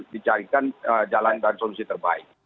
dicarikan jalan dan solusi terbaik